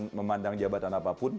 tidak memandang jabatan apapun